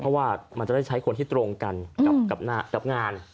เพราะว่ามันจะได้ใช้คนที่ตรงกันกับงาน